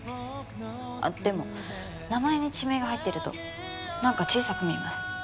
あっでも名前に地名が入ってるとなんか小さく見えます。